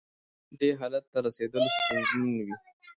دې حالت رسېدل ستونزمن وي.